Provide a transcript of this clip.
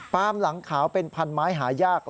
หลังขาวเป็นพันไม้หายาก